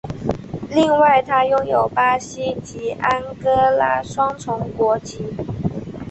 另外他拥有巴西及安哥拉双重国籍。